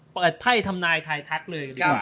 เปิดไพ่ทำนายไทยทักเลยดีกว่า